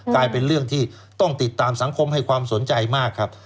กลายเป็นเรื่องที่ต้องติดตามสังคมให้ความสนใจมากครับ